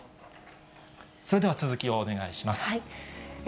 それでは続きをお願いします。